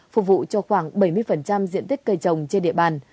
phục vụ cho khoảng bảy mươi diện tích cây trồng trên địa bàn